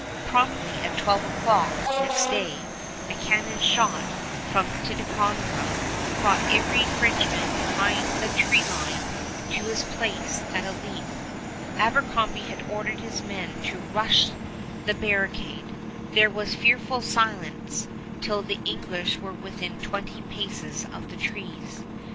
Promptly at twelve o'clock next day a cannon shot from Ticonderoga brought every Frenchman behind the tree line to his place at a leap. Abercrombie had ordered his men to rush the barricade. There was fearful silence till the English were within twenty paces of the trees.